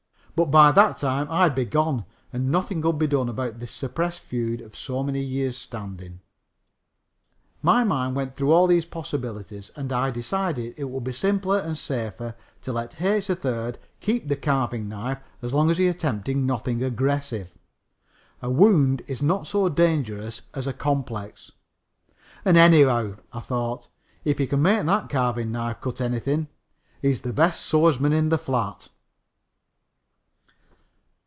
But by that time I'd be gone and nothing could be done about this suppressed feud of so many years' standing. My mind went through all these possibilities and I decided it would be simpler and safer to let H. 3rd keep the carving knife as long as he attempted nothing aggressive. A wound is not so dangerous as a complex. "And, anyhow," I thought, "if he can make that carving knife cut anything he's the best swordsman in the flat."